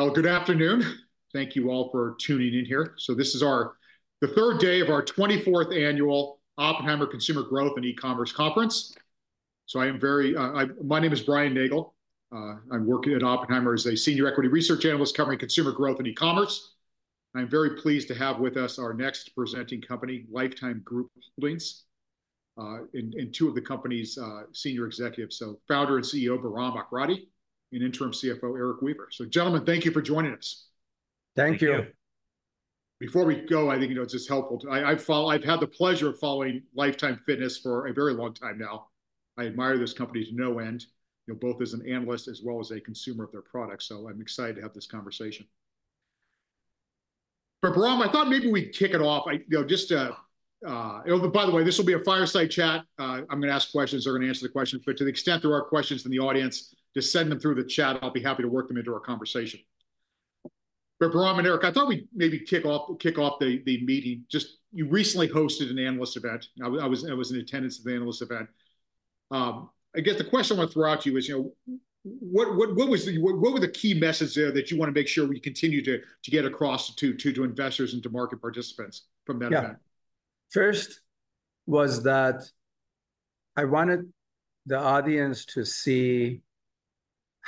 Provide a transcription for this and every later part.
Well, good afternoon. Thank you all for tuning in here. So this is our, the third day of our 24th Annual Oppenheimer Consumer Growth and E-Commerce Conference. So I am very, my name is Brian Nagel. I'm working at Oppenheimer as a senior equity research analyst, covering consumer growth and e-commerce. I'm very pleased to have with us our next presenting company, Life Time Group Holdings, and two of the company's senior executives, so founder and CEO, Bahram Akradi, and interim CFO, Erik Weaver. So, gentlemen, thank you for joining us. Thank you. Thank you. Before we go, I think, you know, it's just helpful to... I've had the pleasure of following Life Time Fitness for a very long time now. I admire this company to no end, you know, both as an analyst as well as a consumer of their products, so I'm excited to have this conversation. But Bahram, I thought maybe we'd kick it off. I, you know, just to... Oh, by the way, this will be a fireside chat. I'm gonna ask questions. They're gonna answer the questions. But to the extent there are questions from the audience, just send them through the chat, I'll be happy to work them into our conversation. But Bahram and Erik, I thought we'd maybe kick off the meeting. Just, you recently hosted an analyst event. I was in attendance of the analyst event. I guess the question I want to throw out to you is, you know, what were the key messages there that you wanna make sure we continue to get across to investors and to market participants from that event? Yeah. First was that I wanted the audience to see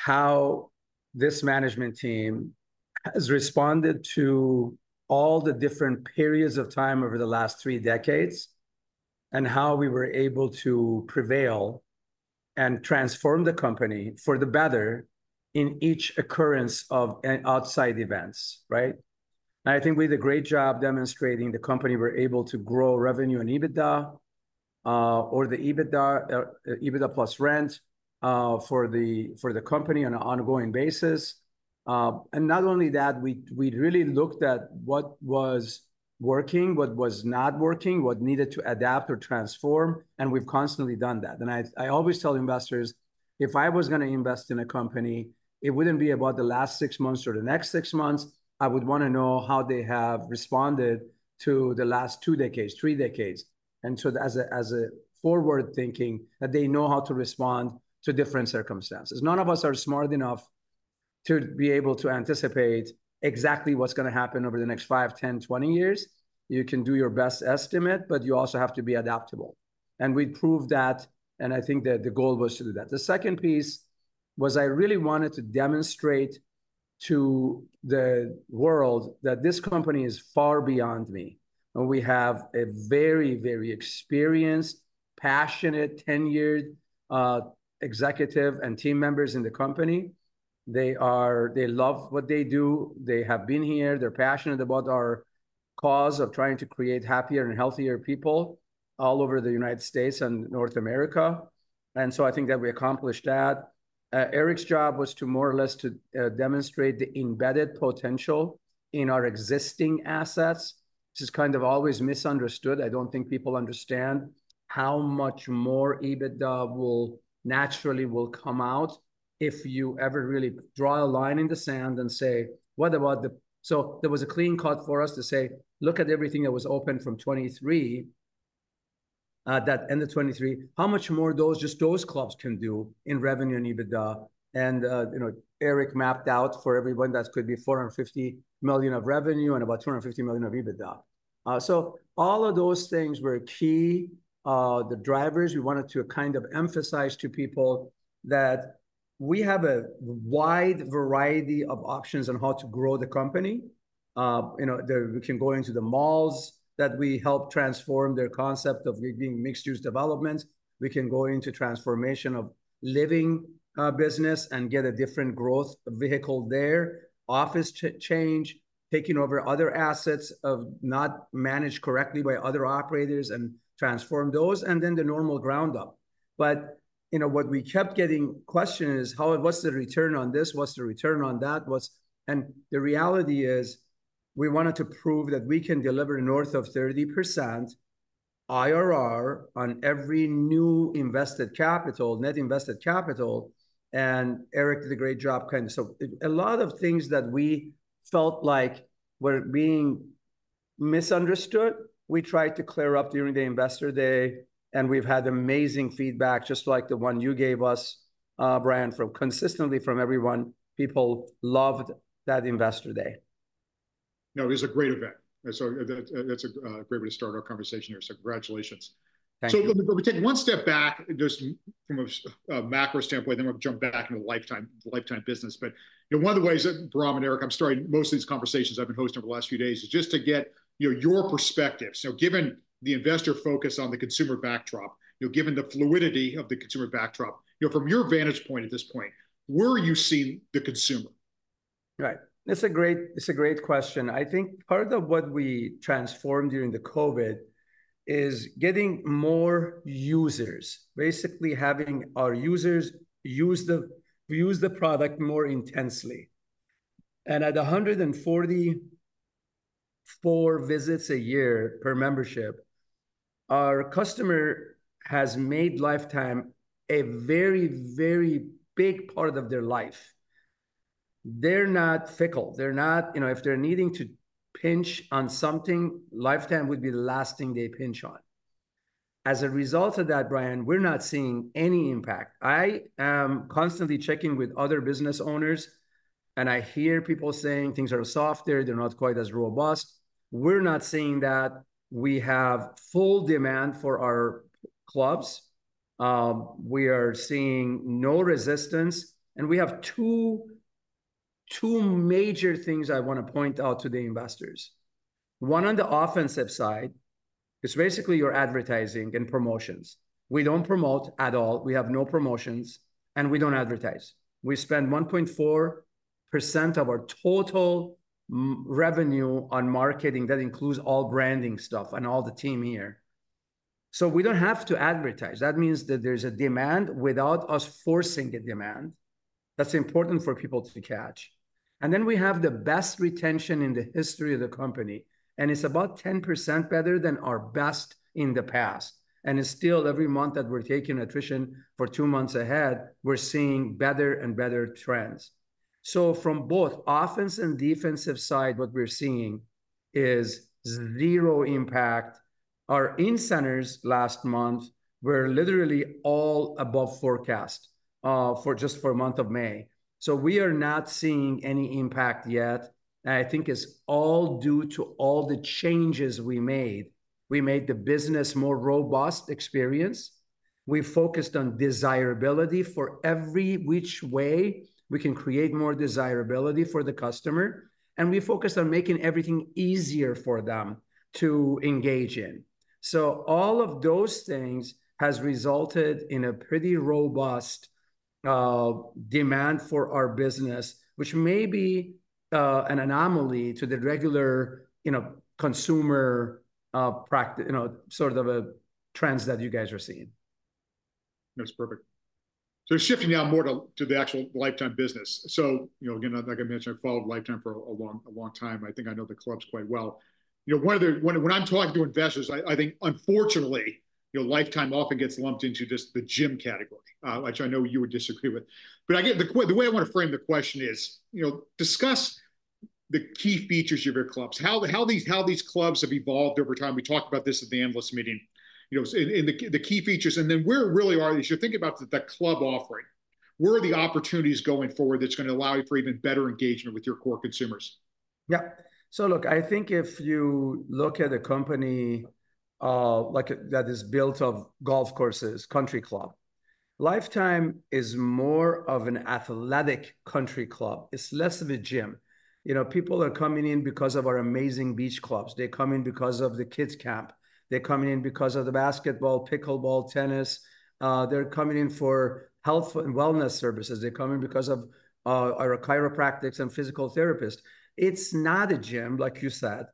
how this management team has responded to all the different periods of time over the last three decades, and how we were able to prevail and transform the company for the better in each occurrence of an outside events, right? And I think we did a great job demonstrating the company. We're able to grow revenue and EBITDA, or the EBITDA, EBITDA plus rent, for the company on an ongoing basis. And not only that, we really looked at what was working, what was not working, what needed to adapt or transform, and we've constantly done that. I always tell investors, "If I was gonna invest in a company, it wouldn't be about the last six months or the next six months, I would wanna know how they have responded to the last two decades, three decades." So as a forward-thinking, that they know how to respond to different circumstances. None of us are smart enough to be able to anticipate exactly what's gonna happen over the next five, 10, 20 years. You can do your best estimate, but you also have to be adaptable, and we've proved that, and I think that the goal was to do that. The second piece was I really wanted to demonstrate to the world that this company is far beyond me, and we have a very, very experienced, passionate, tenured, executive and team members in the company. They love what they do. They have been here. They're passionate about our cause of trying to create happier and healthier people all over the United States and North America, and so I think that we accomplished that. Erik's job was to more or less to demonstrate the embedded potential in our existing assets, which is kind of always misunderstood. I don't think people understand how much more EBITDA will naturally will come out if you ever really draw a line in the sand and say: What about the- So there was a clean cut for us to say, "Look at everything that was open from '23, that end of 2023, how much more those, just those clubs can do in revenue and EBITDA?" And, you know, Erik mapped out for everyone, that could be $450 million of revenue and about $250 million of EBITDA. So all of those things were key. The drivers, we wanted to kind of emphasize to people that we have a wide variety of options on how to grow the company. You know, we can go into the malls, that we help transform their concept of it being mixed-use development. We can go into transformation of living, business and get a different growth vehicle there. Office change, taking over other assets not managed correctly by other operators and transform those, and then the normal ground-up. But, you know, what we kept getting questioned is how, "What's the return on this? What's the return on that? What's..." And the reality is, we wanted to prove that we can deliver north of 30% IRR on every new invested capital, net invested capital, and Erik did a great job kind of... So a lot of things that we felt like were being misunderstood, we tried to clear up during the Investor Day, and we've had amazing feedback, just like the one you gave us, Brian, consistently from everyone. People loved that Investor Day. No, it was a great event, and so that, that's a great way to start our conversation here, so congratulations. Thank you. So let me take one step back, just from a macro standpoint, then we'll jump back into Life Time, Life Time business. But, you know, one of the ways that, Bahram and Erik, I'm starting most of these conversations I've been hosting over the last few days, is just to get, you know, your perspective. So given the investor focus on the consumer backdrop, you know, given the fluidity of the consumer backdrop, you know, from your vantage point at this point, where are you seeing the consumer? Right. That's a great, it's a great question. I think part of what we transformed during the COVID is getting more users, basically having our users use the, use the product more intensely. And at 144 visits a year per membership, our customer has made Life Time a very, very big part of their life. They're not fickle, they're not... You know, if they're needing to pinch on something, Life Time would be the last thing they pinch on.... As a result of that, Brian, we're not seeing any impact. I am constantly checking with other business owners, and I hear people saying things are softer, they're not quite as robust. We're not seeing that. We have full demand for our clubs. We are seeing no resistance, and we have two, two major things I wanna point out to the investors. One, on the offensive side, is basically your advertising and promotions. We don't promote at all, we have no promotions, and we don't advertise. We spend 1.4% of our total m- revenue on marketing. That includes all branding stuff and all the team here. So we don't have to advertise. That means that there's a demand without us forcing a demand. That's important for people to catch. And then we have the best retention in the history of the company, and it's about 10% better than our best in the past. And it's still every month that we're taking attrition for two months ahead, we're seeing better and better trends. So from both offense and defensive side, what we're seeing is zero impact. Our in centers last month were literally all above forecast, for just for month of May. So we are not seeing any impact yet, and I think it's all due to all the changes we made. We made the business more robust experience. We focused on desirability for every which way we can create more desirability for the customer, and we focused on making everything easier for them to engage in. So all of those things has resulted in a pretty robust demand for our business, which may be an anomaly to the regular, you know, consumer, you know, sort of a trends that you guys are seeing. That's perfect. So shifting now more to the actual Life Time business. So, you know, again, like I mentioned, I followed Life Time for a long time, I think I know the clubs quite well. You know, one of the... When I'm talking to investors, I think, unfortunately, you know, Life Time often gets lumped into just the gym category, which I know you would disagree with. But the way I wanna frame the question is, you know, discuss the key features of your clubs, how these clubs have evolved over time. We talked about this at the analyst meeting. You know, and the key features, and then where really are as you're thinking about the club offering, where are the opportunities going forward that's gonna allow you for even better engagement with your core consumers? Yeah. So look, I think if you look at a company, like a, that is built of golf courses, country club, Life Time is more of an Athletic Country Club. It's less of a gym. You know, people are coming in because of our amazing Beach Clubs. They're coming because of the Kids Camp. They're coming in because of the basketball, pickleball, tennis. They're coming in for health and wellness services. They're coming because of, our chiropractors and physical therapists. It's not a gym, like you said,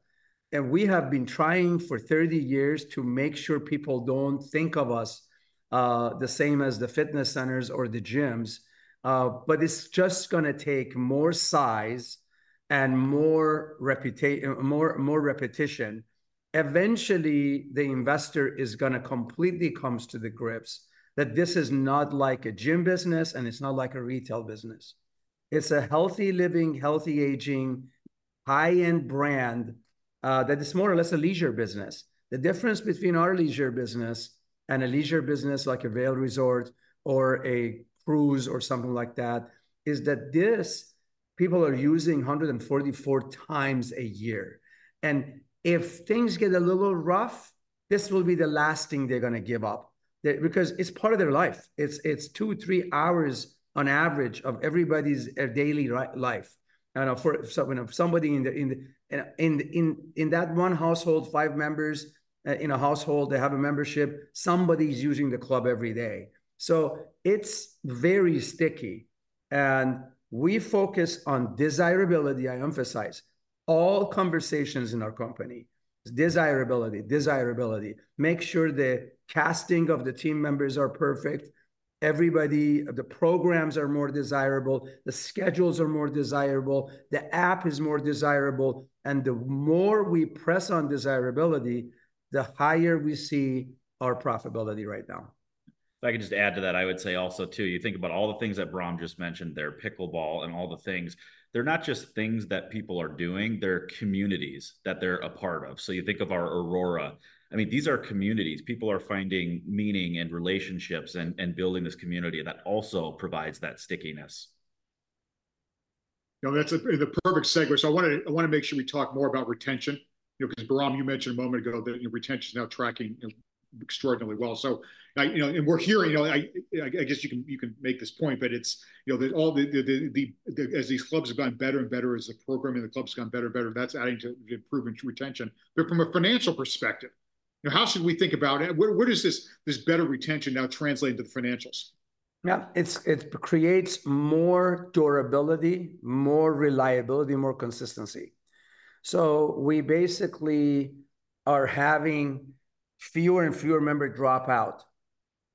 and we have been trying for 30 years to make sure people don't think of us, the same as the fitness centers or the gyms. But it's just gonna take more size and more reputation, more, more repetition. Eventually, the investor is gonna completely comes to the grips that this is not like a gym business, and it's not like a retail business. It's a healthy living, healthy aging, high-end brand that is more or less a leisure business. The difference between our leisure business and a leisure business like a Vail Resorts or a cruise or something like that is that this, people are using 144 times a year. And if things get a little rough, this will be the last thing they're gonna give up. Because it's part of their life. It's 2-3 hours on average of everybody's daily life. You know, for so, you know, somebody in that one household, 5 members in a household, they have a membership, somebody's using the club every day. So it's very sticky, and we focus on desirability. I emphasize all conversations in our company, desirability, desirability. Make sure the casting of the team members are perfect. Everybody... The programs are more desirable, the schedules are more desirable, the app is more desirable, and the more we press on desirability, the higher we see our profitability right now. If I could just add to that, I would say also, too, you think about all the things that Bahram just mentioned there, pickleball and all the things, they're not just things that people are doing, they're communities that they're a part of. So you think of our ARORA, I mean, these are communities. People are finding meaning and relationships and building this community, and that also provides that stickiness. You know, that's the perfect segue. So I wanna make sure we talk more about retention. You know, 'cause Bahram, you mentioned a moment ago that, you know, retention is now tracking, you know, extraordinarily well. So, I, you know, and we're hearing, you know, I guess you can make this point, but it's, you know, that as these clubs have gotten better and better, as the programming in the clubs has gotten better and better, that's adding to the improvement to retention. But from a financial perspective, you know, how should we think about it? Where does this better retention now translate to the financials? Yeah, it creates more durability, more reliability, more consistency. So we basically are having fewer and fewer member drop out.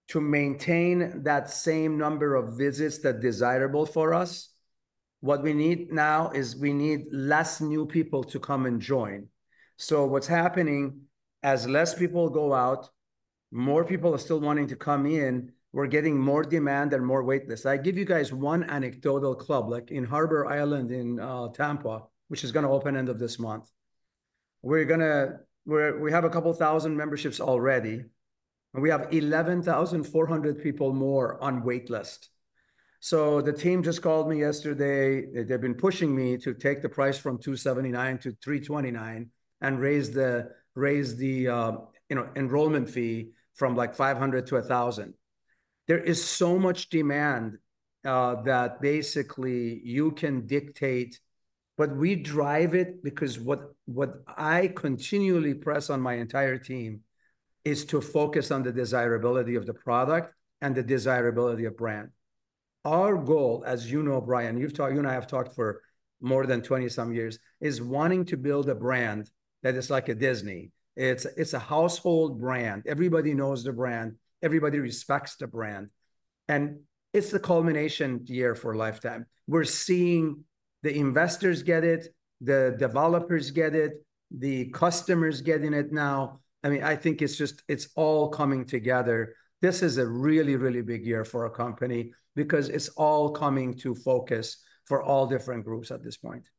To maintain that same number of visits that's desirable for us, what we need now is we need less new people to come and join. So what's happening, as less people go out, more people are still wanting to come in, we're getting more demand and more wait lists. I give you guys one anecdotal club, like in Harbour Island in Tampa, which is gonna open end of this month. We have a couple thousand memberships already, and we have 11,400 people more on waitlist. So the team just called me yesterday. They've been pushing me to take the price from $279 to $329 and raise the, raise the, you know, enrollment fee from, like, $500 to $1,000. There is so much demand, that basically you can dictate... But we drive it because what I continually press on my entire team is to focus on the desirability of the product and the desirability of brand. Our goal, as you know, Brian, you and I have talked for more than 20-some years, is wanting to build a brand that is like a Disney. It's a household brand. Everybody knows the brand, everybody respects the brand, and it's the culmination year for Life Time. We're seeing the investors get it, the developers get it, the customers getting it now. I mean, I think it's just, it's all coming together. This is a really, really big year for our company because it's all coming to focus for all different groups at this point.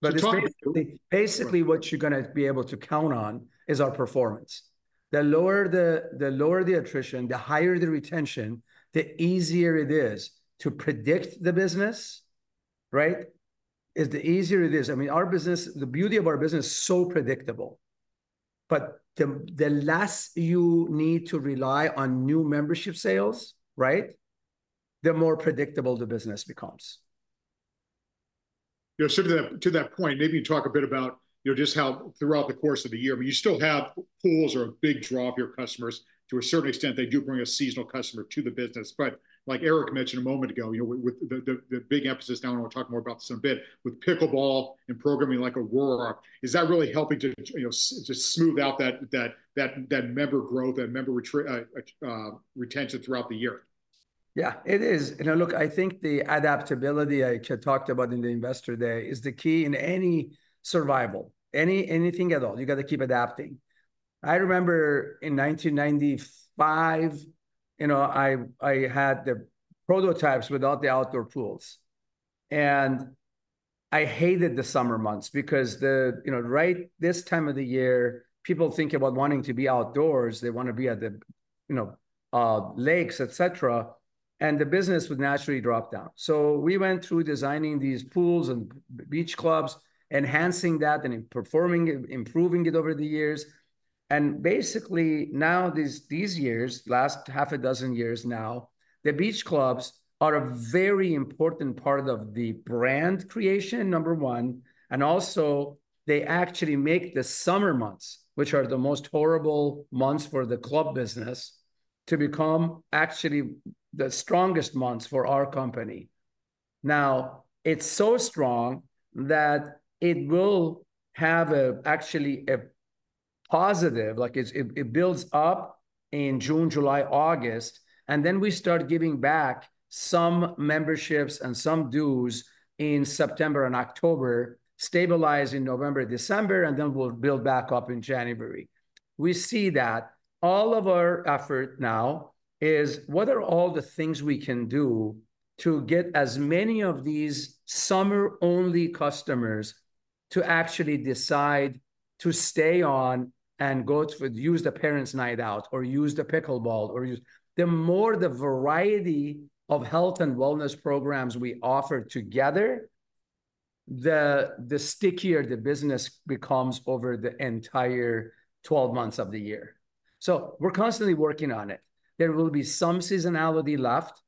But talking- So basically what you're gonna be able to count on is our performance. The lower the attrition, the higher the retention, the easier it is to predict the business, right? I mean, our business, the beauty of our business, so predictable, but the less you need to rely on new membership sales, right, the more predictable the business becomes. Yeah, so to that point, maybe you talk a bit about, you know, just how throughout the course of the year, but you still have pools are a big draw of your customers. To a certain extent, they do bring a seasonal customer to the business. But like Erik mentioned a moment ago, you know, with the big emphasis now, and we'll talk more about this in a bit, with pickleball and programming like ARORA, is that really helping to, you know, to smooth out that member growth, that member retention throughout the year? Yeah, it is. You know, look, I think the adaptability I talked about in the Investor Day is the key in any survival, anything at all. You gotta keep adapting. I remember in 1995, you know, I, I had the prototypes without the outdoor pools, and I hated the summer months because the... You know, right this time of the year, people think about wanting to be outdoors. They want to be at the, you know, lakes, et cetera, and the business would naturally drop down. So we went through designing these pools and Beach Clubs, enhancing that and then performing and improving it over the years. And basically now, these years, last 6 years now, the Beach Clubs are a very important part of the brand creation, number one, and also they actually make the summer months, which are the most horrible months for the club business, to become actually the strongest months for our company. Now, it's so strong that it will have actually a positive, like, it's, it builds up in June, July, August, and then we start giving back some memberships and some dues in September and October, stabilize in November, December, and then we'll build back up in January. We see that all of our effort now is what are all the things we can do to get as many of these summer-only customers to actually decide to stay on and go to, with use the Parents Night Out, or use the pickleball, or use... The more the variety of health and wellness programs we offer together, the stickier the business becomes over the entire 12 months of the year. So we're constantly working on it. There will be some seasonality left.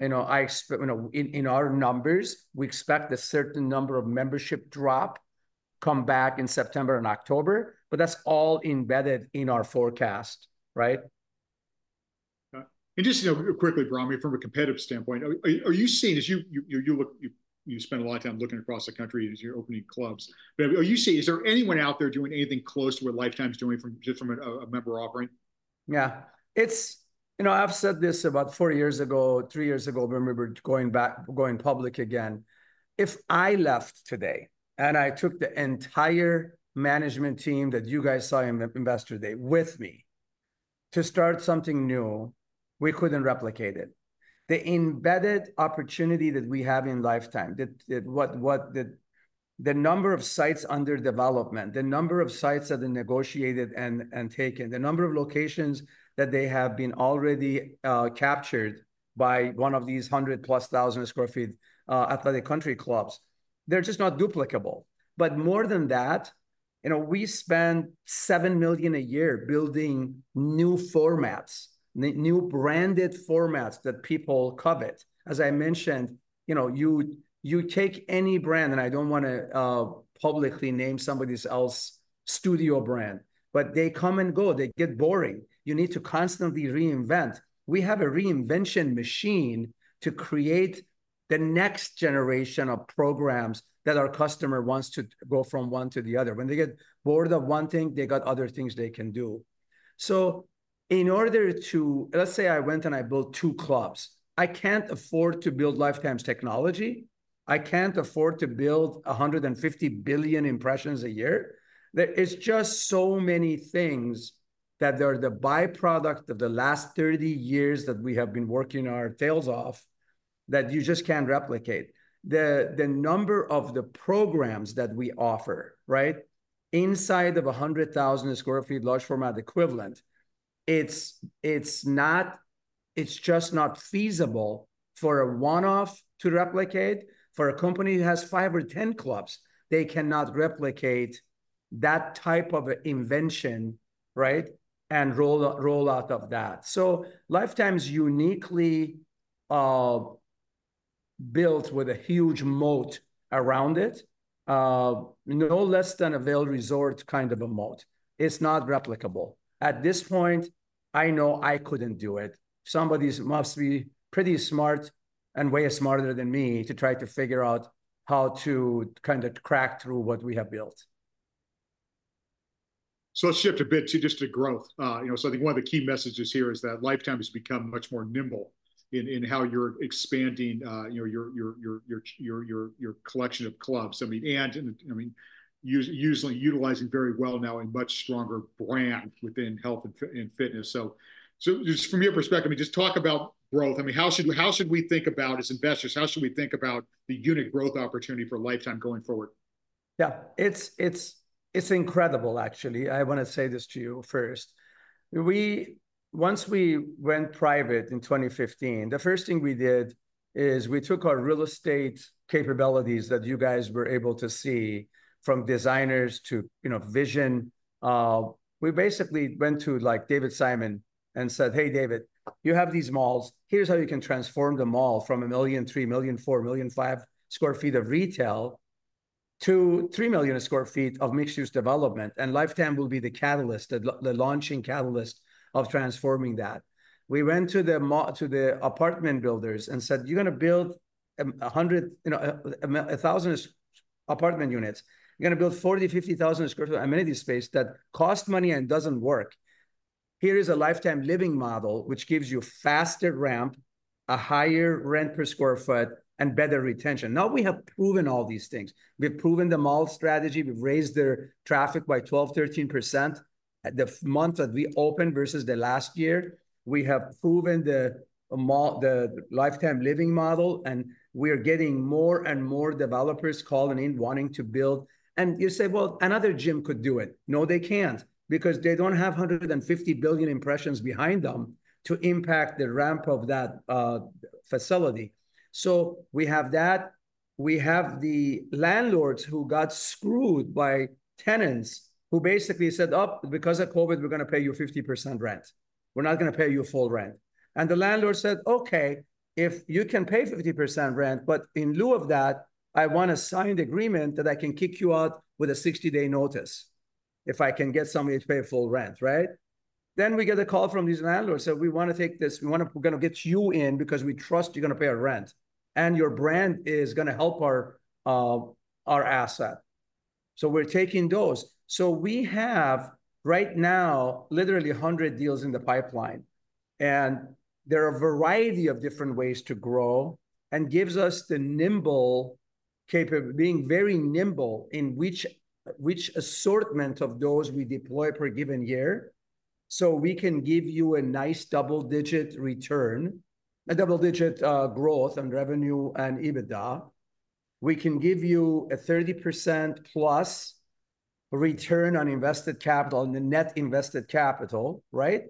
You know, I expect you know, in our numbers, we expect a certain number of membership drop, come back in September and October, but that's all embedded in our forecast, right? Just, you know, quickly, Bahram, from a competitive standpoint, are you seeing, as you spend a lot of time looking across the country as you're opening clubs, but are you seeing, is there anyone out there doing anything close to what Life Time's doing from just a member offering? Yeah. It's you know, I've said this about 4 years ago, 3 years ago, when we were going back, going public again. If I left today, and I took the entire management team that you guys saw in the Investor Day with me to start something new, we couldn't replicate it. The embedded opportunity that we have in Life Time, the what the number of sites under development, the number of sites that are negotiated and taken, the number of locations that they have been already captured by one of these 100+ thousand sq ft athletic country clubs, they're just not duplicable. But more than that, you know, we spend $7 million a year building new formats, new branded formats that people covet. As I mentioned, you know, you take any brand, and I don't wanna publicly name somebody else's studio brand, but they come and go. They get boring. You need to constantly reinvent. We have a reinvention machine to create the next generation of programs that our customer wants to go from one to the other. When they get bored of one thing, they got other things they can do. So in order to... Let's say I went and I built two clubs. I can't afford to build Life Time's technology. I can't afford to build 150 billion impressions a year. There is just so many things that are the by-product of the last 30 years that we have been working our tails off that you just can't replicate. The number of the programs that we offer, right? Inside of 100,000 sq ft large format equivalent, it's just not feasible for a one-off to replicate. For a company that has 5 or 10 clubs, they cannot replicate that type of invention, right, and roll out of that. So Life Time's uniquely built with a huge moat around it. No less than a Vail Resorts kind of a moat. It's not replicable. At this point, I know I couldn't do it. Somebody must be pretty smart, and way smarter than me, to try to figure out how to kind of crack through what we have built. So let's shift a bit to just the growth. You know, so I think one of the key messages here is that Life Time has become much more nimble in how you're expanding, you know, your collection of clubs. I mean, and usually utilizing very well now a much stronger brand within health and fitness. So just from your perspective, I mean, just talk about growth. I mean, how should we think about, as investors, how should we think about the unit growth opportunity for Life Time going forward? Yeah. It's incredible, actually. I wanna say this to you first. Once we went private in 2015, the first thing we did is we took our real estate capabilities that you guys were able to see, from designers to, you know, vision. We basically went to, like, David Simon and said, "Hey, David, you have these malls. Here's how you can transform the mall from 1 million, 3 million, 4 million, 5 sq ft of retail to 3 million sq ft of mixed-use development, and Life Time will be the catalyst, the launching catalyst of transforming that." We went to the apartment builders and said, "You're gonna build 100, you know, 1,000 apartment units. You're gonna build 40-50,000 sq ft amenity space that costs money and doesn't work. Here is a Life Time Living model which gives you faster ramp, a higher rent per square foot, and better retention." Now we have proven all these things. We've proven the mall strategy. We've raised their traffic by 12%-13% the month that we opened versus the last year. We have proven the mall- the Life Time Living model, and we are getting more and more developers calling in, wanting to build. And you say, "Well, another gym could do it." No, they can't, because they don't have 150 billion impressions behind them to impact the ramp of that facility. So we have that. We have the landlords who got screwed by tenants, who basically said, "Oh, because of COVID, we're gonna pay you 50% rent. We're not gonna pay you full rent." And the landlord said, "Okay, if you can pay 50% rent, but in lieu of that, I want a signed agreement that I can kick you out with a 60-day notice if I can get somebody to pay full rent," right? Then we get a call from these landlords, say, "We wanna take this. We wanna- we're gonna get you in because we trust you're gonna pay our rent, and your brand is gonna help our, our asset." So we're taking those. So we have, right now, literally 100 deals in the pipeline, and there are a variety of different ways to grow, and gives us the nimble being very nimble in which, which assortment of those we deploy per given year, so we can give you a nice double-digit return, a double-digit growth on revenue and EBITDA. We can give you a 30%+ return on invested capital, on the net invested capital, right?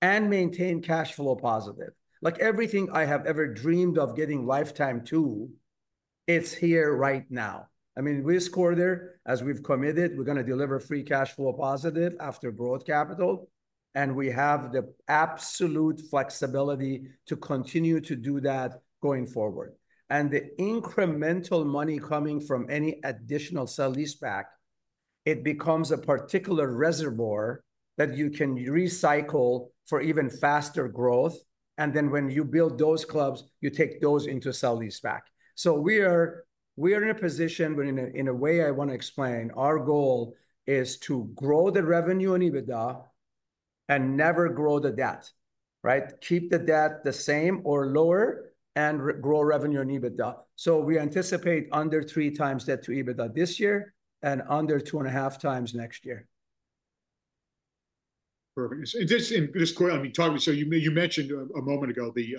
And maintain cash flow positive. Like, everything I have ever dreamed of getting Life Time to, it's here right now. I mean, this quarter, as we've committed, we're gonna deliver free cash flow positive after growth capital, and we have the absolute flexibility to continue to do that going forward. And the incremental money coming from any additional sale-leaseback, it becomes a particular reservoir that you can recycle for even faster growth, and then when you build those clubs, you take those into sale-leaseback. So we are in a position, but in a way, I wanna explain. Our goal is to grow the revenue and EBITDA and never grow the debt, right? Keep the debt the same or lower and re-grow revenue and EBITDA. We anticipate under 3x debt to EBITDA this year and under 2.5x next year. Perfect. Just quick, I mean, you mentioned a moment ago the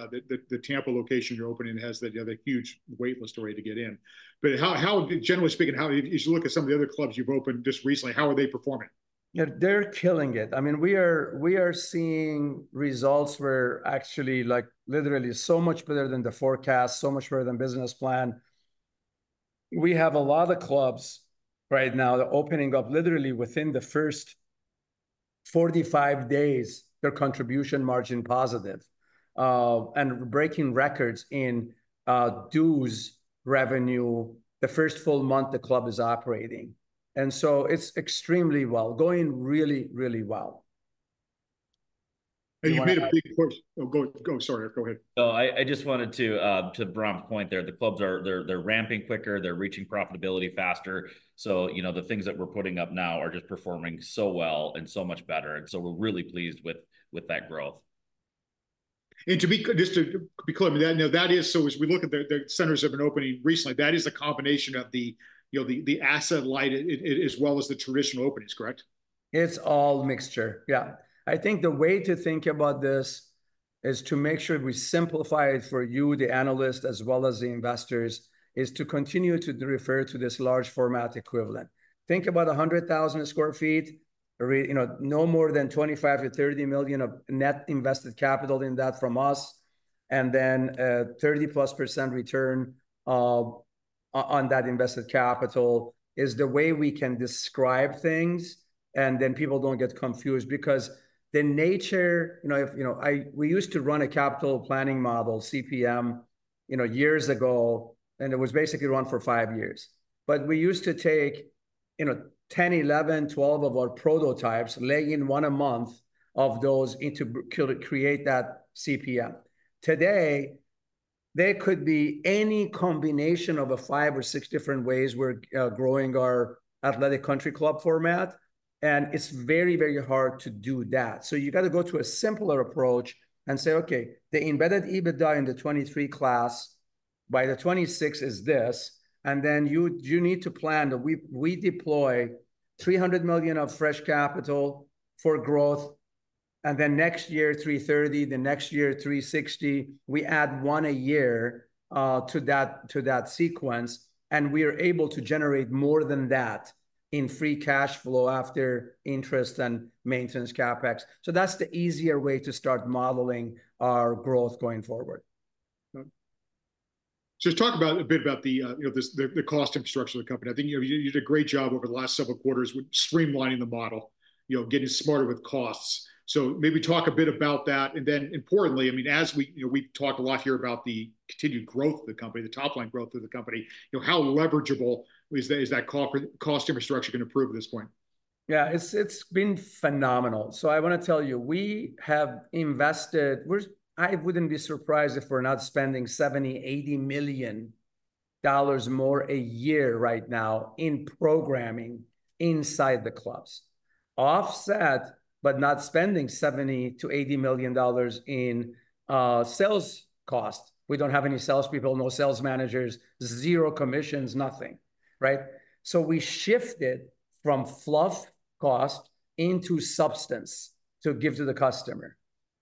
Tampa location you're opening has the huge wait list already to get in. But how, generally speaking, how... You should look at some of the other clubs you've opened just recently, how are they performing? Yeah, they're killing it. I mean, we are, we are seeing results where actually, like, literally so much better than the forecast, so much better than business plan. We have a lot of clubs right now, they're opening up literally within the first 45 days, they're contribution margin positive, and breaking records in dues revenue the first full month the club is operating. And so it's extremely well, going really, really well. Oh, go, go, sorry. Go ahead. No, I, I just wanted to, to Bahram's point there, the clubs are... They're, they're ramping quicker, they're reaching profitability faster. So, you know, the things that we're putting up now are just performing so well and so much better, and so we're really pleased with, with that growth. And to be clear, I mean, you know, that is, so as we look at the centers that have been opening recently, that is a combination of the, you know, the asset light, as well as the traditional openings, correct?... It's all mixture. Yeah. I think the way to think about this is to make sure we simplify it for you, the analyst, as well as the investors, is to continue to refer to this large format equivalent. Think about 100,000 sq ft, you know, no more than $25 million-$30 million of net invested capital in that from us, and then, 30%+ return on that invested capital, is the way we can describe things, and then people don't get confused. Because the nature... You know, if, you know, we used to run a capital planning model, CPM, you know, years ago, and it was basically run for 5 years. But we used to take, you know, 10, 11, 12 of our prototypes, lay in 1 a month of those into to create that CPM. Today, there could be any combination of 5 or 6 different ways we're growing our Athletic Country Club format, and it's very, very hard to do that. So you gotta go to a simpler approach and say, "Okay, the embedded EBITDA in the 2023 class by the 2026 is this," and then you need to plan that we deploy $300 million of fresh capital for growth, and then next year, $330 million, the next year, $360 million. We add 1 a year to that sequence, and we are able to generate more than that in free cash flow after interest and maintenance CapEx. So that's the easier way to start modeling our growth going forward. So just talk about a bit about the, you know, the cost infrastructure of the company. I think, you know, you did a great job over the last several quarters with streamlining the model, you know, getting smarter with costs. So maybe talk a bit about that, and then importantly, I mean, as we, you know, we talk a lot here about the continued growth of the company, the top line growth of the company, you know, how leverageable is that cost infrastructure gonna improve at this point? Yeah, it's been phenomenal. So I wanna tell you, we have invested... We're- I wouldn't be surprised if we're not spending $70-$80 million more a year right now in programming inside the clubs. Offset, but not spending $70-$80 million in sales costs. We don't have any sales people, no sales managers, zero commissions, nothing, right? So we shifted from fluff cost into substance to give to the customer.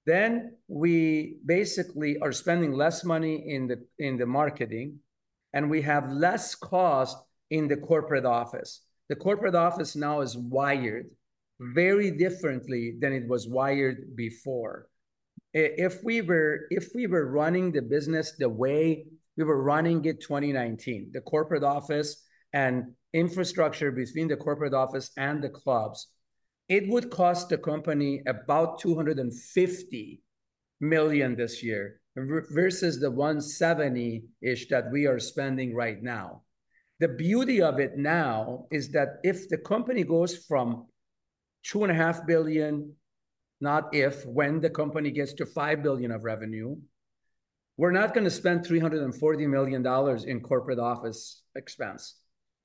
Then, we basically are spending less money in the marketing, and we have less cost in the corporate office. The corporate office now is wired very differently than it was wired before. If we were running the business the way we were running it in 2019, the corporate office and infrastructure between the corporate office and the clubs, it would cost the company about $250 million this year versus the 170-ish that we are spending right now. The beauty of it now is that if the company goes from $2.5 billion, not if, when the company gets to $5 billion of revenue, we're not gonna spend $340 million in corporate office expense.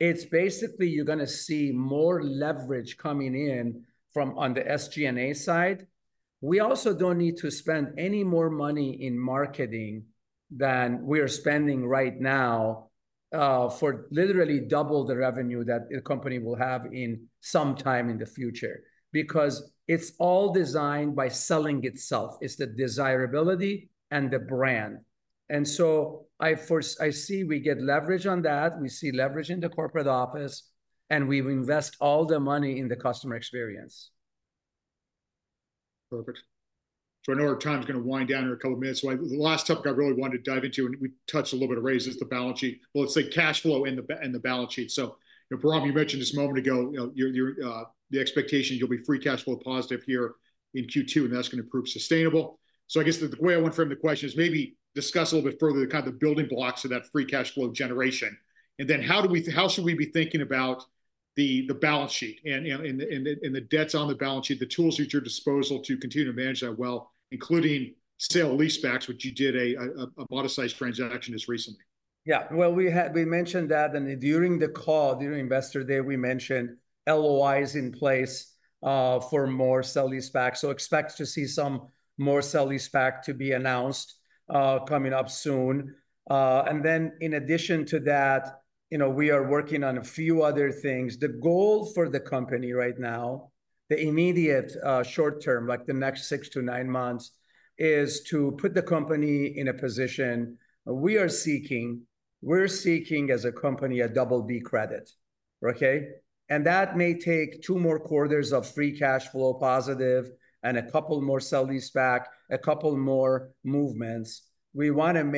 It's basically you're gonna see more leverage coming in from on the SG&A side. We also don't need to spend any more money in marketing than we are spending right now for literally double the revenue that the company will have in some time in the future, because it's all designed by selling itself. It's the desirability and the brand. And so I see we get leverage on that, we see leverage in the corporate office, and we invest all the money in the customer experience. Perfect. So I know our time's gonna wind down in a couple minutes, so the last topic I really wanted to dive into, and we touched a little bit of raises, the balance sheet. Well, let's say cash flow and the balance sheet. So, you know, Bahram, you mentioned this a moment ago, you know, the expectation you'll be free cash flow positive here in Q2, and that's gonna prove sustainable. So I guess the way I want to frame the question is maybe discuss a little bit further the kind of building blocks of that free cash flow generation, and then how should we be thinking about the balance sheet and the debts on the balance sheet, the tools at your disposal to continue to manage that well, including sale-leasebacks, which you did a modest-sized transaction just recently? Yeah. Well, we mentioned that, and during the call, during Investor Day, we mentioned LOIs in place for more sale-leasebacks. So expect to see some more sale-leasebacks to be announced coming up soon. And then in addition to that, you know, we are working on a few other things. The goal for the company right now, the immediate short term, like the next six to nine months, is to put the company in a position we are seeking. We're seeking, as a company, a double B credit. Okay? And that may take two more quarters of free cash flow positive and a couple more sale-leasebacks, a couple more movements. We wanna ma-